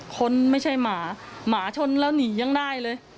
คนไม่ใช่หมาหมาชนแล้วหนียังได้เลย